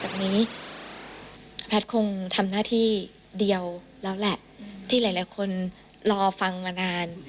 จากนี้แพทย์คงทำหน้าที่เดียวแล้วแหละที่หลายคนรอฟังมานาน